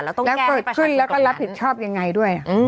แล้วก็ต้องแก้ให้ประชาชนกรรมนั้นแล้วก็รับผิดชอบยังไงด้วย